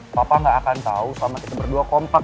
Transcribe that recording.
papa gak akan tahu selama kita berdua kompak